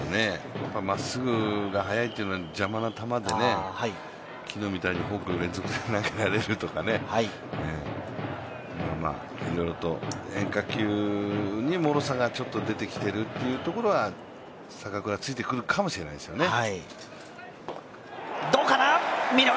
まっすぐが速いというのは邪魔な球で、昨日みたいにフォーク連続で投げるとかね、いろいろと変化球にもろさがちょっと出てきているというところが坂倉、突いてくるかもしれないですね。